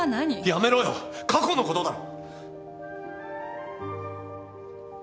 やめろよ過去のことだろ。